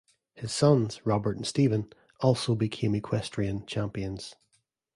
His sons, Robert and Steven, also became equestrian champions.